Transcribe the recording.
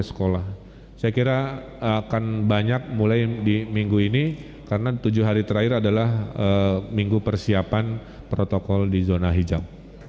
saya kira akan banyak mulai di minggu ini karena tujuh hari terakhir adalah minggu persiapan protokol di zona hijau